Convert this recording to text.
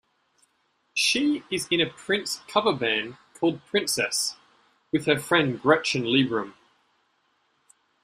She is in a Prince cover band called Princess with her friend Gretchen Lieberum.